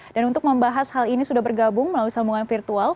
dan untuk membahas hal ini sudah bergabung melalui sambungan virtual